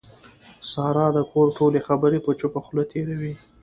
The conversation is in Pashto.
ساره د کور ټولې خبرې په چوپه خوله تېروي.